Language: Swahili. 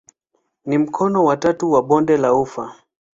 Ni mkono wa tatu wa bonde la ufa.